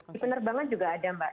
di penerbangan juga ada mbak